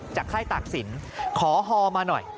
จากค่ายตากสินขอฮอล์มาหน่อย